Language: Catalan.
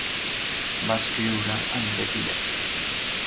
Va escriure en grec i llatí.